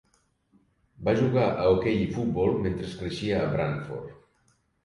Va jugar a hoquei i futbol mentre creixia a Brantford.